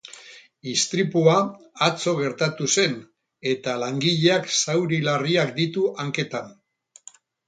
Istripua atzo gertatu zen eta langileak zauri larriak ditu hanketan.